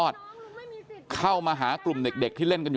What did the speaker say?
เดี๋ยวให้กลางกินขนม